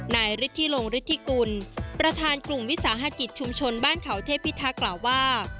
นายฤทธิลงฤทธิกุลประธานกลุ่มวิสาหกิจชุมชนบ้านเขาเทพิทักษ์กล่าวว่า